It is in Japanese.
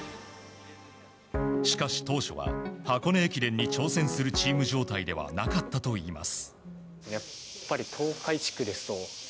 しかし、当初は箱根駅伝に挑戦するチーム状態ではなかったといいます。